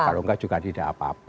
kalau enggak juga tidak apa apa